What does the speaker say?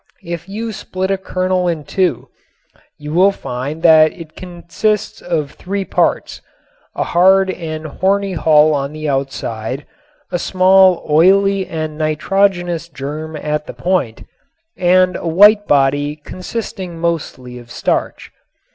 If you split a kernel in two you will find that it consists of three parts: a hard and horny hull on the outside, a small oily and nitrogenous germ at the point, and a white body consisting mostly of starch.